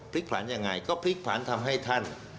พลิกผลันอย่างไรก็พลิกผลันทำให้ท่าน